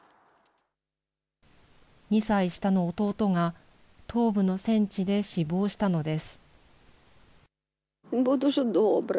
２歳下の弟が、東部の戦地で死亡したのです。